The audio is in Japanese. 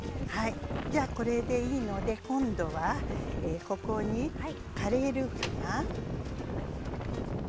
じゃあこれでいいので、今度はここにカレールーかな。